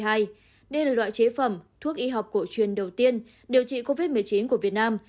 đây là loại chế phẩm thuốc y học cổ truyền đầu tiên điều trị covid một mươi chín của việt nam